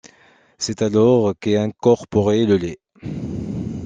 C'est alors qu'est incorporé le lait.